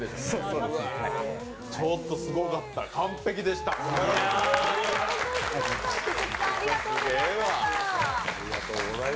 ちょっとすごかった完璧でした、すばらしい！